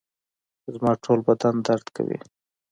زما ټوله بدن درد کوي